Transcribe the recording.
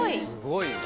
すごい！